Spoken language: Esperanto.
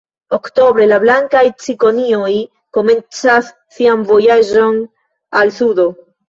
Oktobre la blankaj cikonioj komencas sian vojaĝon al sudo.